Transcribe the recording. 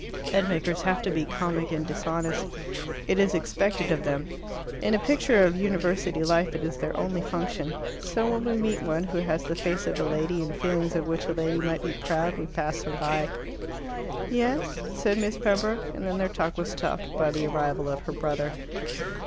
Bedmakers have to be comic and dishonest. It is expected of them. In a picture of university life it is their only function. So when we meet one who has the face of a lady, and feelings of which a lady might be proud, we pass her by. "Yes?" said Miss Pembroke, and then their talk was stopped by the arrival of her brother.